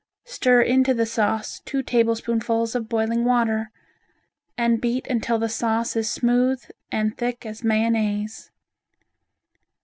Stir into the sauce two tablespoonfuls of boiling water, and beat until the sauce is smooth and thick as mayonnaise.